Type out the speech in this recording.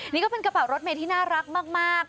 นี่ก็เป็นกระเป๋ารถเมย์ที่น่ารักมาก